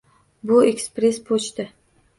Bu ekspress pochta.